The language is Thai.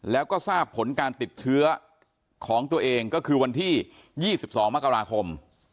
แล้วก็ทราบผลการติดเชื้อของตัวเองก็คือวันที่๒๒มกราคม